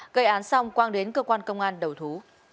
gây án xong quang đến cơ quan công an đầu thú